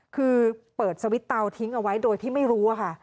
คือเปิดสวิตเตาทิ้งเอาไว้โดยที่ไม่รู้ค่ะ